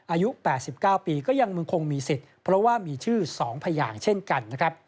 อายุ๘๙ปีก็ยังมึงคงมีสิทธิ์เพราะว่ามีชื่อสองพยางเช่นกัน